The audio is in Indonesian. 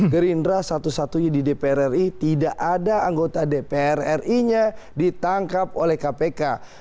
gerindra satu satunya di dpr ri tidak ada anggota dpr ri nya ditangkap oleh kpk